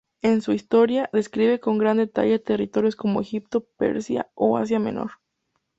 En su "Historia" describe con gran detalle territorios como Egipto, Persia o Asia menor.